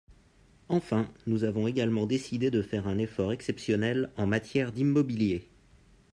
Enfin, nous avons également décidé de faire un effort exceptionnel en matière d’immobilier.